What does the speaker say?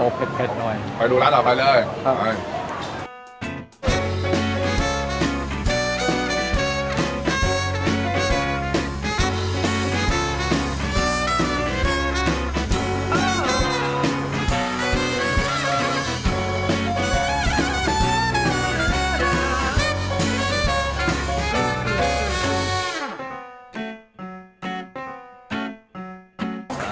อ่าเผ็ดเผ็ดหน่อยไปดูร้านออกไปเลยครับ